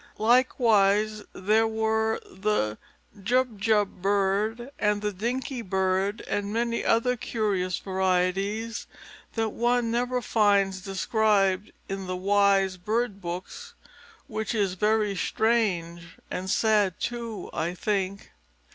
Likewise there were the Jubjub Bird and the Dinky Bird, and many other curious varieties that one never finds described in the wise Bird Books, which is very strange, and sad, too, I think.